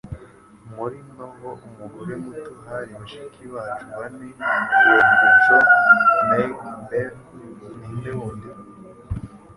Muri Novel Umugore Muto Hari Bashiki bacu Bane Werurwe Jo, Meg, Beth Ninde wundi?